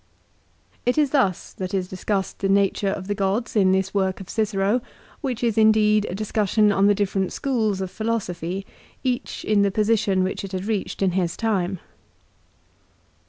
* It is thus that is discussed the nature of the gods in this work of Cicero, which is indeed a discussion on the different schools of Philo sophy, each in the position which it had reached in his time.